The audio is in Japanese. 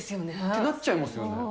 となっちゃいますよね。